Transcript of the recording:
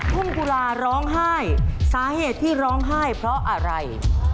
ทุ่งกุลาร้องไห้สาเหตุที่ร้องไห้เพราะอะไร